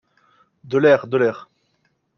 De l’air ! de l’air !